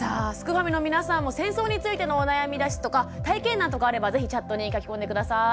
ファミの皆さんも戦争についてのお悩みですとか体験談とかあれば是非チャットに書き込んで下さい。